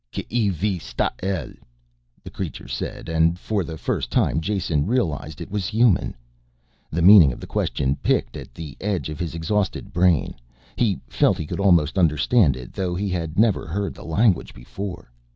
"K'e vi stas el...?" the creature said, and for the first time Jason realized it was human. The meaning of the question picked at the edge of his exhausted brain, he felt he could almost understand it, though he had never heard the language before.